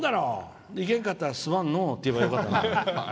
いけんかったらすまんのうって言えばいい。